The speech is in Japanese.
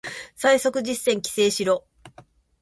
最速実践規制しろ